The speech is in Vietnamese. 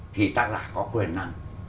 thì tác giả có quyền năng